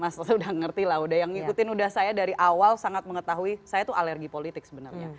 mas toto udah ngerti lah udah yang ngikutin udah saya dari awal sangat mengetahui saya tuh alergi politik sebenarnya